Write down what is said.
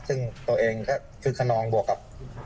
ซึ่งตัวเองก็คึกขนองบวกกับ